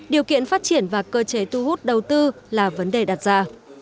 điều kiện phát triển và cơ chế tu hút đầu tư là vấn đề đặt ra